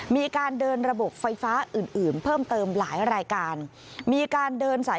มีการเดินระบบไฟฟ้าอื่นเพิ่มเติมหลายรายการ